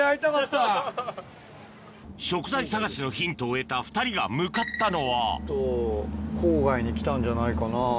食材探しのヒントを得た２人が向かったのは郊外に来たんじゃないかな。